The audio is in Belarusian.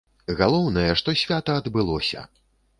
Галоўнае, што свята адбылося!